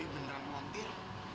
doi beneran montir